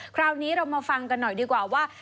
คราวนี้เรามาฟังกันหน่อยดีกว่าว่า